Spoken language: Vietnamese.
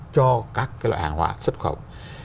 cho các loại hàng hóa xuất khẩu